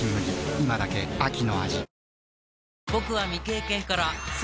今だけ秋の味